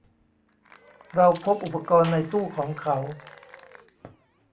เราพบอุปกรณ์ในตู้ของเขา